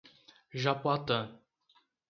Japoatã